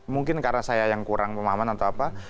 mungkin karena saya yang kurang pemahaman atau apa